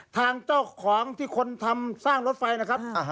ทางเจ้าของที่คนทำสร้างรถไฟนะครับ